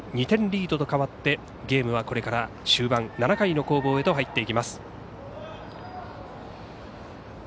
２点リードと変わってゲームは、これから終盤７回の攻防へと入っていきます。